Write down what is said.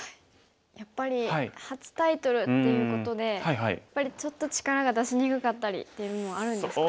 やっぱり初タイトルっていうことでやっぱりちょっと力が出しにくかったりっていうのもあるんですかね。